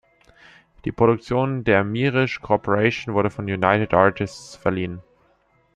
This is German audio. Die Produktion der Mirisch Corporation wurde von United Artists verliehen.